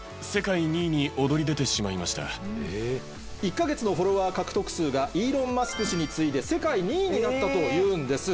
１か月のフォロワー獲得数がイーロン・マスク氏に次いで世界２位になったというんです。